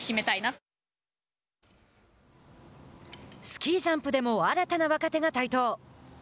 スキージャンプでも新たな若手が台頭。